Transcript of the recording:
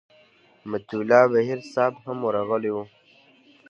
مطیع الله بهیر صاحب هم ورغلی و.